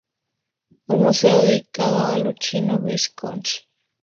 Un museo dedicado a Luchino Visconti.